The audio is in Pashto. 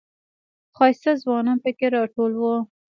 ښایسته ځوانان پکې راټول و.